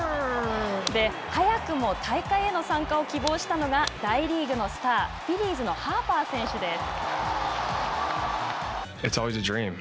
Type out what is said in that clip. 早くも大会への参加を希望したのが大リーグのスター、フィリーズのハーパー選手です。